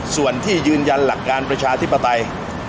ส่วนที่ยืนยันหลักการประชาธิปไตย